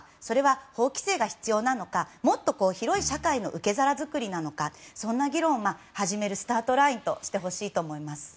法規制が必要なのかもっと広い社会の受け皿作りなのかそんな議論を始めるスタートラインとしてほしいと思います。